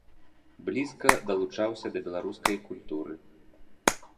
Блізка далучаўся да беларускай культуры.